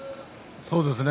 そうですね。